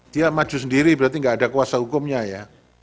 dia maju sendiri berarti nggak ada kuasa hukumnya ya